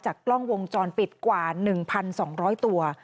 กล้องวงจรปิดกว่า๑๒๐๐ตัว